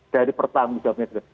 dari pertanggung jawabnya juga